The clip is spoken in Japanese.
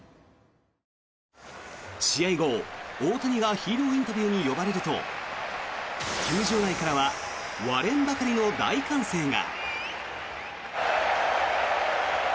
試合後、大谷がヒーローインタビューに呼ばれると球場内からは割れんばかりの大歓声が。